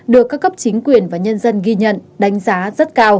được các cấp chính quyền và nhân dân ghi nhận đánh giá rất cao